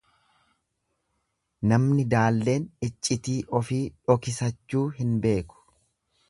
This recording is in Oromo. Namni daalleen iccitii ofii dhokisachuu hin beeku.